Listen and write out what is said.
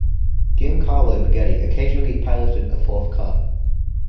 Giancarlo Baghetti occasionally piloted a fourth car.